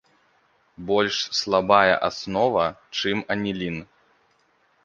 Больш слабая аснова, чым анілін.